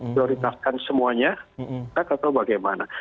prioritaskan semuanya kita ketahui bagaimana